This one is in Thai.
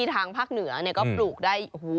ทางภาคเหนือก็ปลูกได้